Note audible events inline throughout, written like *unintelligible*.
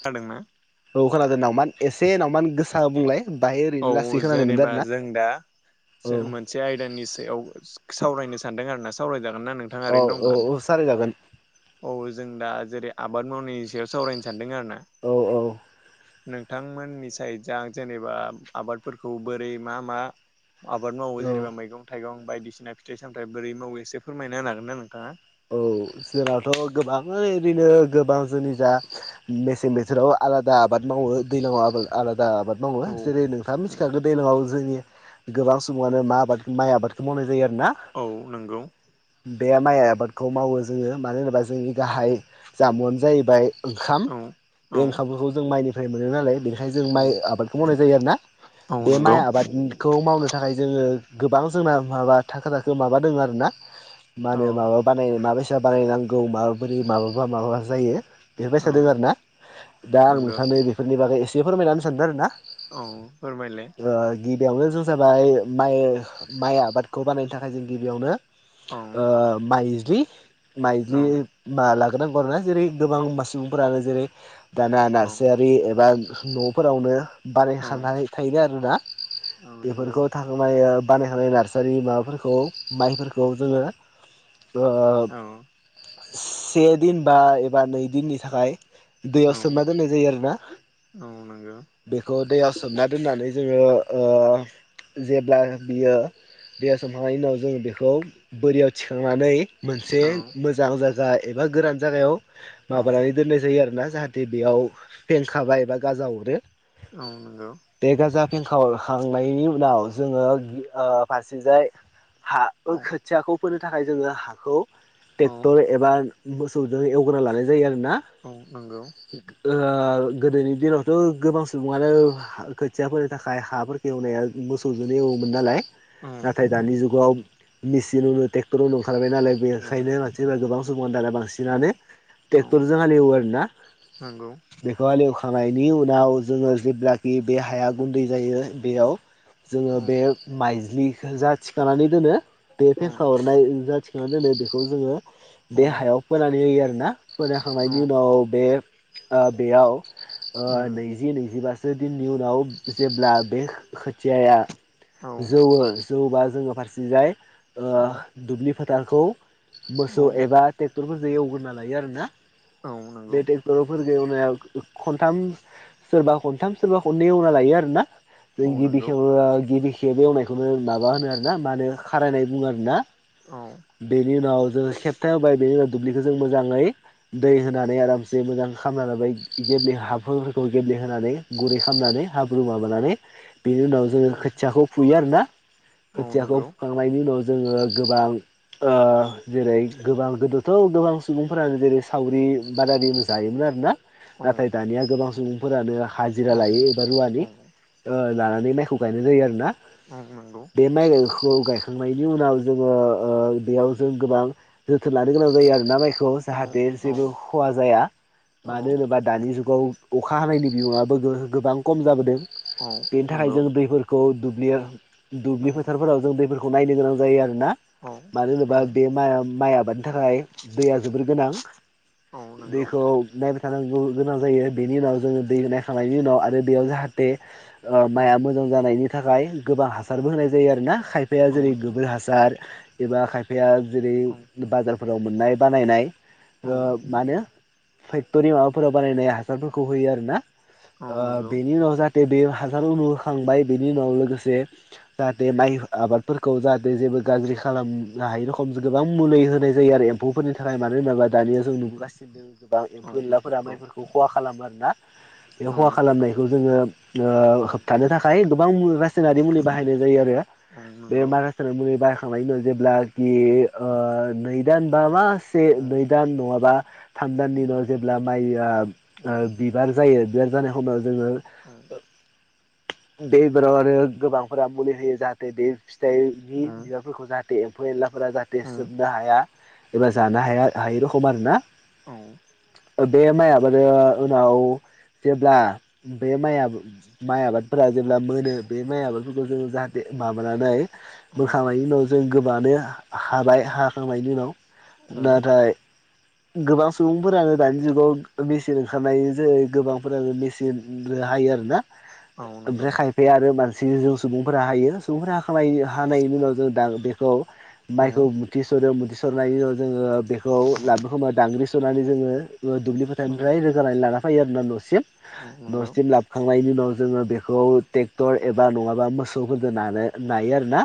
खोनादोंना खोनादो नावमान एसे नावमान गोसा बुंलाय बाहाय ओरैनो लासै औ खोनानाय मोनदों जेनेबा आरो ना जों दा औ मोनसे आयदानि सायाव सावरायनो सानदों आरोना सावरायजागोन ना नोंथाङा औ ओरैनो औ दंब्ला औ सावरायजागोन औ जों दा जेरै आबाद मावनायनि सायाव सावरायनो सानदों आरो ना औ नोंथांमोननि साइडजा जेनेबा आबादफोरखौ बोरै मा मा आबाद मावो औ जेनेबा मैगं थाइगं बायदिसिना फिथाइ सामथायाइ बोरै मावो एसे फोरमायना होनो हागोन ना नोंथाङा औ जोंनावथ' गोबाङ ओरैनो गोबां जोंनि जा मेसें बोथोराव आलादा आबाद मावो दैलाङाव आलादा आबाद मावो औ जेरै नोंथाङा मिथिखागोन दैज्लाङाव जोंनि गोबां समावानो मा आबाद माइ आबादखौ मावनाय जायो आरो ना औ नंगौ बे माइ आबादखौ मावो जोङो मानो होनोबा जोंनि गाहाय जामुआनो जाहैबाय ओंखाम औ बे औ ओंखामफोरखौ जों माइनिफ्राय मोनो नालाय बे खाय जों औ माइ आबादखौ मावनाय जायो आरोना औ बे नंगौ माइ आबादखौ मावनो थाखाय जोङो गोबां जोंना माबा थाखो थाखो माबा दङ आरोना मा औ होनो माबा बानाय माबायसा बानायनांगौ माबाबोरै औ माबा माबा जायो औ बेफोरबायसा दों आरोना दा आं नंगौ नोंथांनो बेफोरनि बागै एसे फोरमायनानै होनो सानदों आरो ना औ फोरमायलाय बेयावनो जों जाबाय माइ माइ आबादखौ बानायनो थाखाय जों गिबियावनो औ माइज्लि माइज्लि औ माला नांगौ आरोना जेरै गोबां सुबुंफोरानो जेरै दाना औ नार्सयारि एबा न'फोरावनो औ बानायाखानाय थायो आरोना नंगौ बेफोरखौ थाखोमायो बानायखानाय नार्सारि माबाफोरखौ माइफोरखौ जोङो औ से दिन बा एबा नै दिननि थाखाय औ दैयाव सोमना दोननाय जायो आरोना औ नंगौ बेखौ दैयाव सोमना दोननानै जोङो जेब्ला बियो दैहा सोमखांनायनि उनाव जोङो बेखौ बोरियाव थिखांनानै मोनसे औ मोजां जायगा एबा गोरान जायागायाव औ माबानानै दोननाय जायो आरोना जाहाथे बेयाव फेंखाबा एबा गाजा हरो औ नंगौ बेंखा हरखांनायनि उनाव जोङो फारसेजाय हा औ खोथियाखौ फोनो थाखाय जोङो हाखौ औ ट्रेक्टर एबा मोसौजों एवग्रोना लानाय जायो आरो औ नंगौ गोदोनि दिनावथ' गोबां सुबुङानो खोथियाफोरनि थाखाय हाफोरखौवनाया मोसौजोंनो एवोमोन नालाय औ नाथाय दानि जुगाव मेसिन ट्रेक्टराउनु ओंखारबाय नालाय बेनिखायनो उम मानसिफ्रा गोबां सुबानो दाना औ बांसिनानो ट्रेक्टरजों हालेवो आरोना नंगौ बेखौ हालेवखांनायनि उनाव जोङो जेब्लाखि बे हाया गुन्दै जायो बेयाव जोङो औ बे माइज्लिखौ जा थिखानानै दोनो बे औ फेखा आर'नाय इन्जुराव थिखोना दोनो बेखौ जोङो बे औ हायाव फोनानै होयो आरोना फोनाहोखांनायनि उनाव बे बेयाव उम नैजि नैजिबासो दिननि उनाव जेब्ला बे खोथियाया औ जौवो जौबा जोङो फारसेजाय औ दुब्लि फोथारखौ मोसौ एबा ट्रेक्टरफोरजों एवगोरना लायो आरोना औ नंगौ बे ट्रेक्टर फोर जों एवनायाव खनथाम सोरबा खनथाम सोरबा खननै एवना लायो आरोना औ बे गिबि नंगौ खेव गिबि खेब एवनायखौनो माबा होनो आरो ना मा होनो खारायनाय बुङो आरो ना औ बेनि उनाव जोङो खेबथा होबाय बेनि उनाव दुब्लिखौ जों मोजाङै दै होनानै आरामसे मोजां खालामना लाबाय गेब्ले हाफोरखौ गेब्लेहोनानै गुरै खालामनानै हाब्रु माबानानै बेनि उनाव जोङो औ खोथियाखौ फुयो आरोना औ खोथियाखौ नंगौ फुखांनायनि उनाव जोङो गोबां जेरै गोबां गोदोथ' गोबां सुबुंफोरानो जेरै सावरि बादालि जायोमोन आरोना। औ नाथाय दानिया गोबां सुबुंफोरानो औ हाजिरा लायो एबा रुवालि औ ओ लानानै मायखो गायनाय जायो आरोना। औ नांगौ। खौ गायखांनायनि उनाव जोङो ओ बेयाव जों गोबां जोथोन लानो गोनां जायो आरोना मायखौ। खौ औ नंगौ औ जाहाथे औ जेबो खहा जाया औ मानो होनोबा दानि जुग गाव अखा हानायनि बिबाङाबो गो-गोबां खम जाबोदों बेनि थाखाय नंगौ जों दैफोरखौ दुलि औ दुब्लि फोथारफोराव जों दैफोरखौ नायनो गोनां जायो आरोना। मानो होनोबा बे औ माइ माइआ नि थाखाय दैया जोबोर गोनां नंगौ दैखौ नायबाय थानांगौ गोनां जायो बेनि उनाव जोङो दै नायखांनायनि उनाव आरो बेयाव जाहाथे ओ औ माइआ मोजां जानायनि थाखाय गोबां हासारबो होनाय जायो आरोना खायफाया जेरै गोबोर हासार एबा खायफाया जेरै बाजारफोराव मोननाय बानायनाय ओ मा होनो फेक्ट'रि माबाफोराव बानायनाय हासारफोरखौ होयो आरोना औ ओ नंगौ बेनि उनाव जाहाथे बेयो हासार उनु होखांबाय बेनि उनाव लोगोसे जाहाथे माइ आबादफोरखौ जाहाथे जेबो गाज्रि खालामनो हायै रखम गोबां मुलि होनाय जायो आरो एम्फौफोरनि थाखाय मानो होनोब्ला दानिया जों नुबोगासिनो द गोबां औ एम्फौ नंगौ एनलाफोरा माइफोरखौ खहा खालामो आरोना बे औ खहा खालामनायखौ जोङो ओ उम होबथानो थाखाय गोबां औ रासायनारि मुलि बाहायनाय जायो आरो। औ बे नंगौ माय मुलि बा थांनायनि उनाव औ जेब्लाखि ओ नै दान बा मासे औ नै दान नङाबा थाम दाननि औ उनाव जेब्ला माइआ बिबार जायो बिबार जानाय खमायाव जोङो दैफोराव आरो गोबांफोरा मुलि होयो जाहाथे दै फिथाइनि बिबारफोरखौ जाहाथे एम्फौ एनलाफोरा जाहाथे सोबनो हाया। एबा जानो हाया हायै रखम आरो ना बे माइआ माने उनाव जेब्ला बे माइआ माइ आबादफोरा जेब्ला मोनो बे माइ आबादफोरखौ जोङो जाहाथे माबानानै औ बोखांनायनि उनाव जों गोबानो हाबाय हाखांनायनि उनाव औ नाथाय गोबां सुबुंफोरानो दानि जुगाव मेसिन ओंखारनाय जै गोबांफोरानो मेचिन जों हायो आरोना। औ नंगौ ओमफ्राय खायफाया आरो मानसिजों सुबुंफोरा हायो सुबुंफोरा हाखांनायनि हानायनि उनाव जों बेखौ औ माइखौ मुथि सरो मुथि सरनायनि उनाव जोङो बेखौ लाबनो खमायाव दांग्रि सुयो। सुनानै जोङो ओ दुब्लि औ फोथारनिफ्राय रोगानानै लाना फैयो आरोना न'सिम। नंगौ न'सिम लाबो खांनायनि उनाव जोङो बेखौ ट्रेक्टर एबा नङाबा मोसौफोरजों नानो नायो आरोना।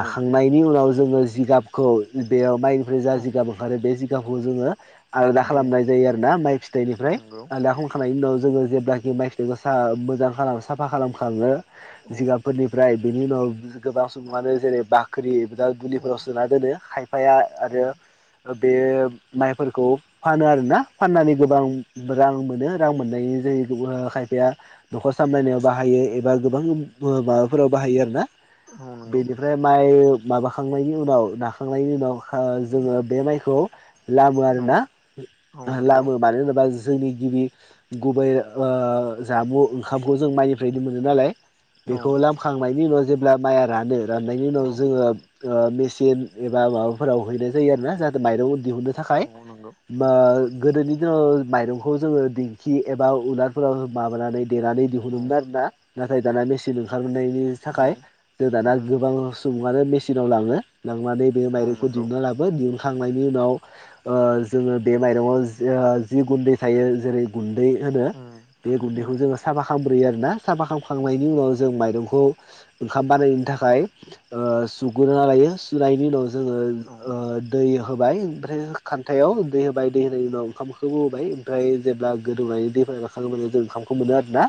औ उनाव जोङो जिगाबखौ बेयाव माइनिफ्राय जा औ नंगौ औ जिगाब ओंखारो बे जि गाबखौ जोङो आलादा खालामनाय जायो आरोना माइ फिथाइनिफ्राय औ नंगौ आलादा खामखांनायनि उनाव जोङो जेब्लाखि माइ फिथाइखौ सा मोजां साफा खालाम खाङो औ जिगाबफोरनिफ्राय बिनि उनाव गोबां सुबुङानो जेरै बाख्रि दुलिफोराव सोना दोनो खायफाया औ आरो नंगौ ओ बे माइफोरखौ फानो आरोना फाननानै गोबां रां मोनो। रां मोननायनि जायो ओ खायफाया न'खर सामलायनायाव बाहायो एबा गोबां माबाफोराव बाहायो। बाहायो आरोना। ओं नंगौ। ओमफ्राय माबाखांनायनि उनाव नाखांनायनि उनाव ओ जोङो बे माइखौ लामो आरोना लामो मानो होनोबा जोंनि गिबि गुबै ओ जामु ओंखामखौ जों माइनि फ्रायनो मोनो नालाय बेखौ लामखांनायनि उनाव जेब्ला माइआ रानो राननायनि उनाव औ जोङो ओ मेसिन एबा माबाफोराव हैनाय जायो आरोना जाहाथे माइरं दिहुननो थाखाय नंगौ औ ओ गोदोनि दिनाव माइरंखौ जोङो दिंखि एबा उलारफोराव माबानानै देनानै दिहुनोमोन औ आरोना नाथाय दाना मेचन ओंखारनायनि थाखाय जों दाना उम सुबुंङानो मेसिनाव लांङो लांनानै बे औ माइरंखौ नंगौ दिहुनना उम लाबो दिहु खांनायनि उनाव ओ जोङो बे माइरंआव ओ जि गुन्दै थायो जेरै गुन गुन्दै होनो बे गुन्दैखौ उम जोङो साफा खालामग्रोयो आरोना साफा औ खालामखांनायनि उनाव जों माइरंखौ खौ ओंखाम बानायनायनि थाखाय ओ सुग्रोना लायो सुनायनि उनाव जोङो ओ दै होबाय। ओमफ्राय खान्थायाव दै होबाय दै होनाय उनाव ओंखामखौबो होबाय ओमफ्राय जेब्ला गोदौनाय दैफोरा रानखां *unintelligible* जों ओंखामखौ मोनो आरोना।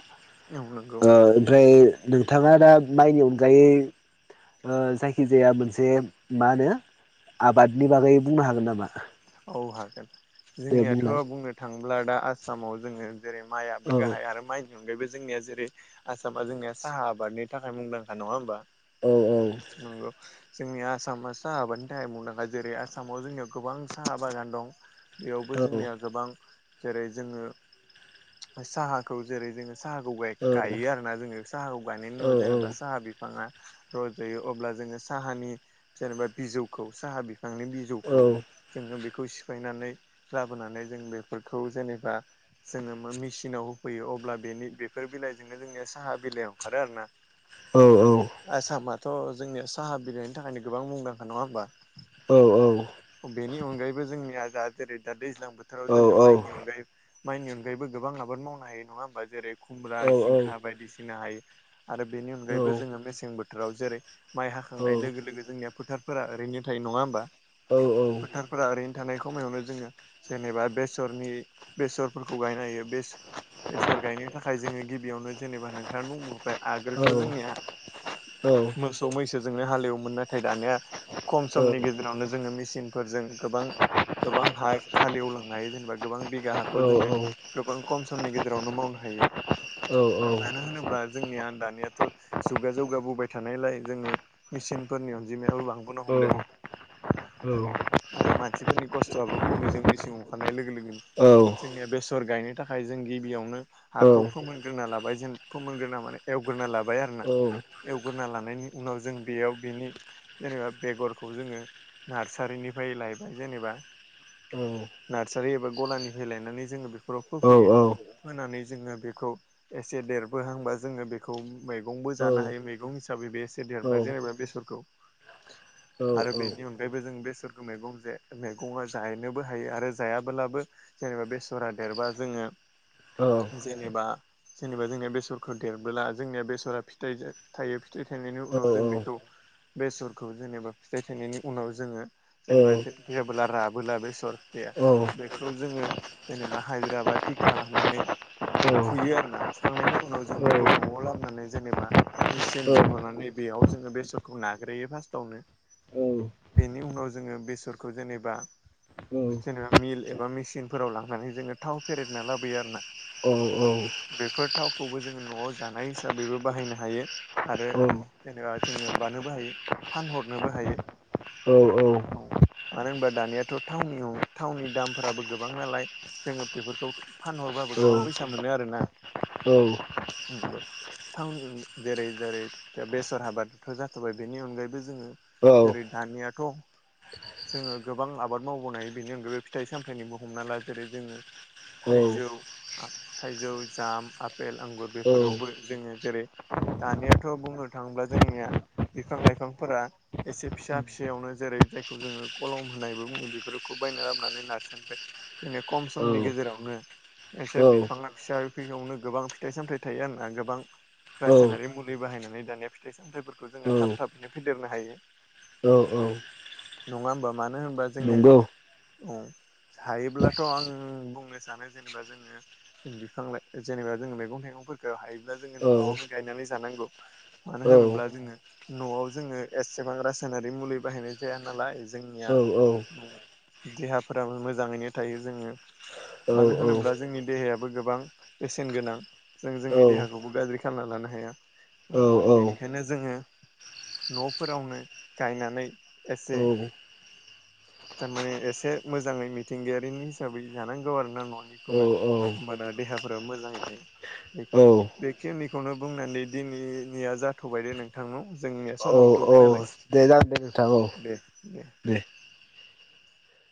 औ नंगौ ओ ओमफ्राय नोंथांङा दा माइनि अनगायै ओ जायखिजाया मोनसे मा होनो आबादनि बागै बुंनो हागोन नामा? औ हागोन। दे जोंनियाथ' बुंलाय बुंनो थांङोब्ला दा आसामाव जोङो जेरै माइयाबो औ गाहाय आरो माइ आवगायबो जोंनिया जेरै आसामा जोंनिया साहा आबादनि थाखाय मुंदांखा नंङा होमबा? औ औ नंगौ। जोंनि आसामा साहा आबादनि थाखाय मुंदांखा जेरै आसामाव जोंनियाव गोबां साहा बागान दं। बेयावबो औ जोंनिया गोबां जेरै जोङो साहाखौ जेरै जोङो साहाखौ गाय औ गायो आरोना जोङो साहाखौ गायनायनि औ उनाव जेनेबा साहा बिफांङा रजायो अब्ला जोङो साहानि जेनेबा बिजौखौ साहा बि फांनि बिजौखौ जोङो बेखौ सिफायनानै लाबोनानै जों बेफोरखौ जेनेबा जोंङो मा मिसिनाव होफैयो अब्ला बेनि बेफोर बिलाइजोंनो जोंनिया साहा बिलाइयाव ओंखारो आरोना। औ औ। थ' जोंनिया साहा बिलाइनि थाखायनो गोबां मुंदांखा नंङा होमबा? औ औ। दा जेरै दा दैज्लां बोथोराव जोङो नंगौ माइनि अनगायै माइनि अनगायैबो गोबां आबाद मावनो हायो नंङा होमबा जेरै खुमब्रा जिंखा बायदिसिना हायो। आरो बेनि अनगायैबो जोङो मेसें बोथोराव जेरै माइ हाखांनाय लोगो लोगो जोंनिया फोथारफोरा ओरैनो थायो नंङा होमबा? फोथारफोरा ओरैनो थानाय खमायावनो जोङो जेनेबा बेसरनि बेसरफोरखौ गायनो हायो बे बेसर गायनो थाखाय जोङो गिबियावनो जेनेबा नोंथांङा बुंबोबाय आगोलथ' जोंनिया मोसौ मैसोजोंनो हालेवोमोन नाथाय दानिया खम समनि गेजेरावनो जोङो मेसिन जों गोबां गोबां हा खालि एवलांनो हायो जेनेबा गोबां बिगा हाखौ जोङो गोबां खम समनि गेजेरावनो मावनो हायो। हायो मानो होनोब्ला जोंनिया दानियाथ' जुगा जौगाबोबाय थानायलाय जोङो मेसिनफोरनि अनजिमायाबो बां औ औ। आरो मानसिफोरनि खस्थ'आबो खमिजों मेसिन अंखारनाय लोगो लोगोनो जोंनिया बेस सर गायनो थाखाय जों गिबियावनो हाखौ फोमोनग्रोना लाब बाय जों फोमोनग्रोना माने एवग्रोना लाबाय आरो ना। एवग्रोना लानायनि उनाव जों बेयाव बेनि जेनेबा बेगरखौ जोङो नारसारिनिफ्राय लायबाय जेनेबा औ औ। नारसारि एबा गलानिफ्राय लायनानै जोङो बेफोराव फोफैयो फोनानै जोङो बेखौ एसे देरबोहांबा जोङो बेखौ मैगंबो जानो हायो मैगं हिसाबै बे एसे देरबा जेनेबा बेसरखौ आरो बेनि अनगायैबो जों बेसर मैगं जे मैगंआ जायनोबो हायो आरो जायाबोलाबो जेनेबा बेसरा देरबा जोङो जेनेबा जेनेबा जोंनिया बेसरखौ देरबोला जोंनिया बेसरा फिथाइ थायो फिथाइ थायनायनि उनाव जों बेखौ बेसरखौ जेनेबा फिथाइ थायनायनि उनाव जोङो जेनेबा जबोला राबोला बेसर फिथाया बेखौ जोङो जेनेबा हायद्राबादि गालानानै फुयो आरोना फुखांनायनि उनाव जों बेखौ न'आव लाबोनानै जेनेबा मेसिन लिंहरनानै बेयाव जोङो बेसरखौ नाग्रोयो फार्सतावनो बेनि उनाव जोङो बेसरखौ जेनेबा जेनेबा मिल एबा मेसिनफोराव लांनानै जोङो थाव फेरेदना लाबोयो आरो ना बेफोर थावखौबो जोङो न'आव जानाय हिसाबैबो बाहायनो हायो आरो जेनेबा जोङो मानोबो हायो फानहरनोबो हायो। औ औ। औ। मानो होनबा दानियाथ' थावनि दामफोराबो गोबां नालाय जोङो बेफोरखौ फानहरबा बो गोबां फैसा मोनो आरो ना औ। नोंगौ। थावनि अनगा जेरै जेरै बेसर आबादथ' जाथ'बाय बिनि अनगायैबो जोङो जेरै दानियाथ' जोङो गोबां आबाद मावबोनाय बेनि अनगायैबो फिथाइ सामथाइनिबो हमना ला जेरै जोङो थाइजौ आ थाइजौ, जाम, आपेल, आंगुर बेफोरावबो जोङो जेरै दानियाथ' बुंनो थाङोब्ला जोंनिया बिफां लाइफांफोरा एसे फिसा फिसायावनो जेरै जायख खौ जोङो कलम होनायबो बुङो बेफोरखौ बायना लाबोनानै नारसोनफ्राय जोंनि खम समनि गेजेरावनो एसे बिफाङा फिसाफियावनो गोबां फिथाइ सामथाइ थायो आरोना गोबां रासायनारि मुलि बाहायनानै दानिया फिथाइ सामथायफोरखौ जोङो थाब थाबैनो फेदेरनो हायो। नङा होमबा मानो होनबा जोङो औ। हायोब्लाथ' आं बुंनो सानो जेनेबा जोङो बिफां लाइ जेनेबा जों मैगं थाइगंफोरखो हायोब्ला जोङो औ न'आवनो गायनानै जानांगौ मानो होनोब्ला जोङो न'आव जोङो एसेबां रासायनारि मुलि बाहायनाय जाया नालाय जोंनिया देहाफोराबो मोजाङैनो थायो जोङो मानो होनोब्ला जोंनि देहायाबो गोबां बेसेन गोनां जों जोंनि देहाखौबो गाज्रि खालामना लानो हाया औ औ-औ-औ-औ-औ-औ-औ-औ-औ-औ-औ-औ-औ-औ-औ-औ-औ-औ-औ-औ-औ-औ-औ बेनिखायनो जोङो न'फोरावनो गायनानै एसे थारमाने एसे मोजाङै मिथिंगायारिनि हिसाबै जानांगौ आरो ना न'निखौनो। होमबाना देहाफोराबो मोजाङै थायो। औ। बेखिनिखौनो बुंनानै दिनैनिया जाथ'बाय दे नोंथांनाव जोंनिया समाबो थ'बाय नालाय। दे जागोन नोंथां औ। दे दे दे।